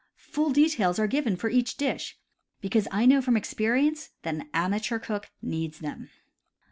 Full details are given for each dish, because I know from experience that an amateur cook needs them.